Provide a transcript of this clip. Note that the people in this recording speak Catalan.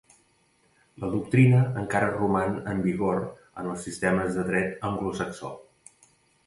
La doctrina encara roman en vigor en els sistemes de dret anglosaxó.